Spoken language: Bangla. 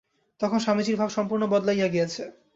তখন স্বামীজীর ভাব সম্পূর্ণ বদলাইয়া গিয়াছে।